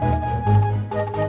terminal kang darman